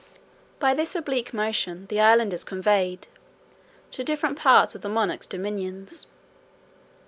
By this oblique motion, the island is conveyed to different parts of the monarch's dominions.